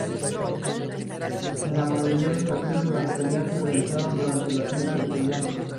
En la mayoría de ocasiones las peleas se realizan durante las fiestas de pijama.